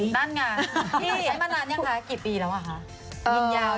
นั่นไงพี่หน่อยใช้มานานยังคะกี่ปีแล้วค่ะ